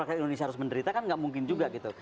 rakyat indonesia harus menderita kan nggak mungkin juga gitu